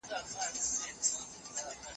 په روغتيايي سکتور کي به نوي اسانتياوي رامنځته سي.